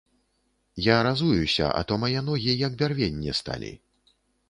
Я разуюся, а то мае ногі як бярвенне сталі.